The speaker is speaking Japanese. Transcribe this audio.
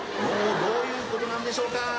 もうどういう事なんでしょうか？